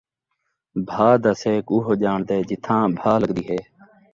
بھاء دا سیک اوہو جاݨدے جتھاں بھاء لڳدی ہے